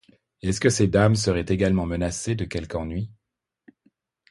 Est-ce que ces dames seraient également menacées de quelque ennui?